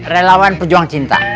relawan pejuang cinta